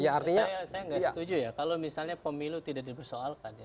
saya tidak setuju ya kalau misalnya pemilu tidak dipersoalkan